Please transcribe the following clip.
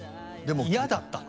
嫌だったの？